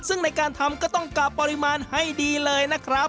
ซึ่งในการทำก็ต้องกะปริมาณให้ดีเลยนะครับ